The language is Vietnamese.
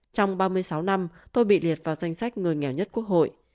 trong ba mươi sáu năm tôi bị liệt vào danh sách người nghèo nhất quốc hội